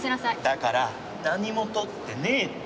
だから何も盗ってねえって！